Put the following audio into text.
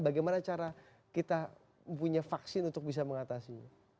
bagaimana cara kita punya vaksin untuk bisa mengatasi